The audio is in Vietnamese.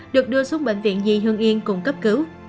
được đưa xuống bệnh viện nhi hương yên cùng cấp cứu